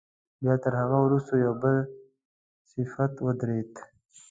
بیا تر هغه وروسته یو بل صف ودرېد.